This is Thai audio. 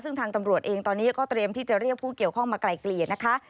ซึ่งทางตำรวจเองตอนนี้ก็เตรียมที่จะเรียกผู้เกี่ยวข้องมาไกลเกลี่ยนะคะ